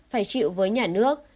phải chịu với nhà nước